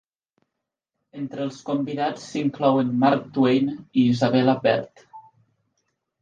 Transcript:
Entre els convidats s'inclouen Mark Twain i Isabella Bird.